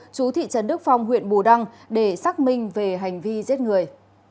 chú thị trấn đức phong huyện bù đăng để xác minh về hành vi giết người